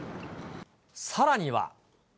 さらには。